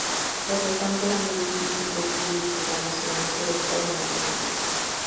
Por lo tanto era muy difícil de escribir programas financieros o de matemáticas.